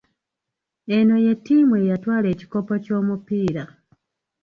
Eno ye ttiimu eyatwala ekikopo ky'omupiira.